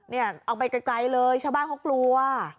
เอาไปไกลเลยชาวบ้านเขากลัว